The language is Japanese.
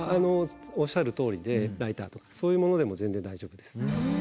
おっしゃるとおりでライターとかそういうものでも全然大丈夫ですね。